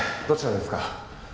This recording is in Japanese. どちらですか？